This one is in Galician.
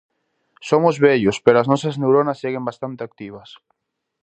Somos vellos pero as nosas neuronas seguen bastante activas.